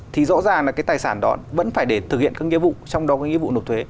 thì rõ ràng là cái tài sản đó vẫn phải để thực hiện các nghĩa vụ trong đó có nghĩa vụ nộp thuế